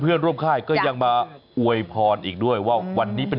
หมอกิตติวัตรว่ายังไงบ้างมาเป็นผู้ทานที่นี่แล้วอยากรู้สึกยังไงบ้าง